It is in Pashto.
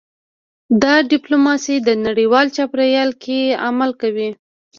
دا ډیپلوماسي په نړیوال چاپیریال کې عمل کوي